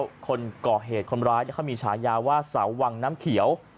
แล้วคนก่อเหตุคนร้ายเขามีฉายาว่าเสาวังน้ำเขียว